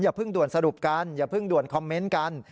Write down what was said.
เพิ่งด่วนสรุปกันอย่าเพิ่งด่วนคอมเมนต์กัน